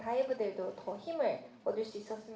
คิดว่าตอนนี้เราด้วยโกรธเที่ยว